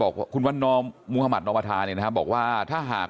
บอกคุณวันนอมมุธมัธนอมธาเนี่ยนะฮะบอกว่าถ้าหาก